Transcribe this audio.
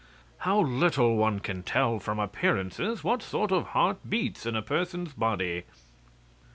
How little one can tell from appearances what sort of heart beats in a person's body!"